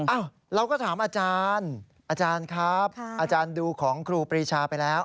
เราก็ถามอาจารย์อาจารย์ครับอาจารย์ดูของครูปรีชาไปแล้ว